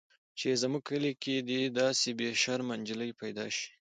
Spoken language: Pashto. چې زموږ په کلي کښې دې داسې بې شرمه نجلۍ پيدا سي.